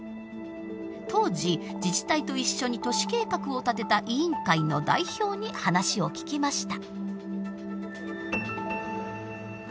当時自治体と一緒に都市計画を立てた委員会の代表に話を聞きました。